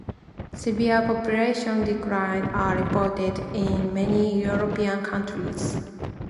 Severe population declines are reported in many European countries.